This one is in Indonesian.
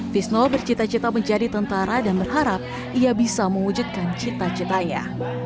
fizno bercerita cerita menjadi tentara dan berharap ia bisa mewujudkan cita citanya